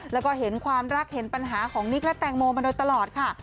แล้วก็เห็นความรักเห็นปัญหาของนิกและแตงโมมาโดยตลอดค่ะ